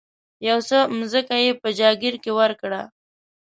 یو څه مځکه یې په جاګیر کې ورکړه.